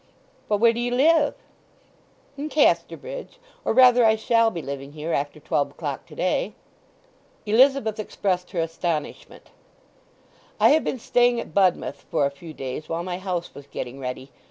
"But where do you live?" "In Casterbridge, or rather I shall be living here after twelve o'clock to day." Elizabeth expressed her astonishment. "I have been staying at Budmouth for a few days while my house was getting ready.